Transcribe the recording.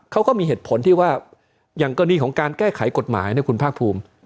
เขาก็มีเหตุผลที่ว่าอย่างกรณีของการแก้ไขกฎหมายเนี่ยคุณภาคภูมิ